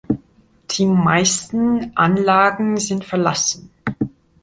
Die meisten Anlagen sind verlassen.